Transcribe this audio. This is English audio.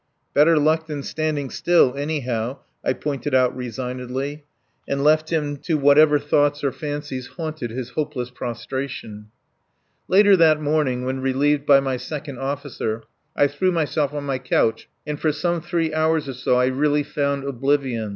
"Better luck than standing still, anyhow," I pointed out resignedly, and left him to whatever thoughts or fancies haunted his awful immobility. Later that morning, when relieved by my second officer, I threw myself on my couch and for some three hours or so I really found oblivion.